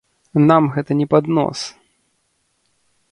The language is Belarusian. Нам гэта не пад нос!